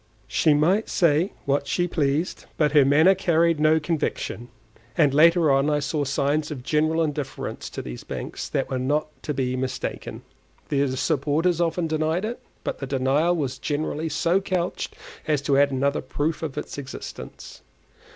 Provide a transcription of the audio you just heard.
She might say what she pleased, but her manner carried no conviction, and later on I saw signs of general indifference to these banks that were not to be mistaken. Their supporters often denied it, but the denial was generally so couched as to add another proof of its existence.